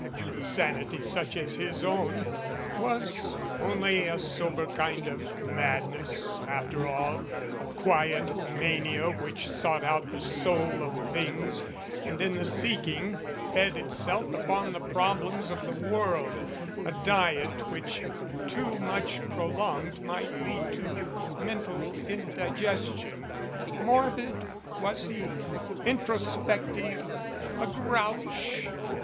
And sanity such as his own was only a sober kind of madness after all, a quiet mania which sought out the soul of things and in the seeking fed itself upon the problems of the world, a diet which too much prolonged might lead to mental indigestion. Morbid was he? Introspective? A "grouch"?